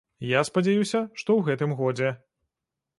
Я спадзяюся, што ў гэтым годзе.